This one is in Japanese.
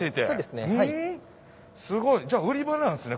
すごいじゃあ売り場なんですね